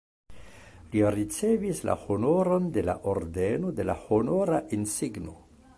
Li ricevis la honoron de la Ordeno de la Honora Insigno.